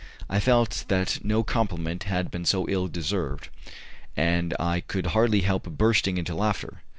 I felt that no compliment had been so ill deserved, and I could hardly help bursting into laughter.